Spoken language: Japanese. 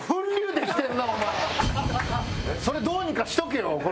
それどうにかしとけよ